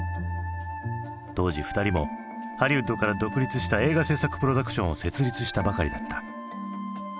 当時２人もハリウッドから独立した映画製作プロダクションを設立したばかりだった。